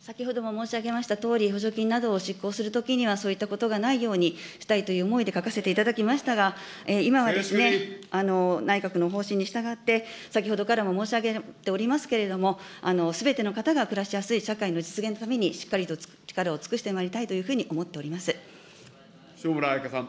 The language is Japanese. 先ほども申し上げましたとおり、補助金などをしっこうするときには、そういったことがないようにしたいという思いで書かせていただきましたが、今は内閣の方針に従って、先ほどからも申し上げておりますけれども、すべての方が暮らしやすい社会の実現のために、しっかりと力を尽くしてまいりた塩村あやかさん。